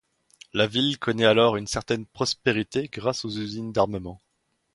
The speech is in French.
La ville connaît alors une certaine prospérité grâce aux usines d’armement.